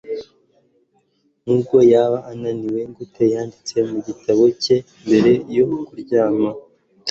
Nubwo yaba ananiwe gute yanditse mu gitabo cye mbere yo kuryama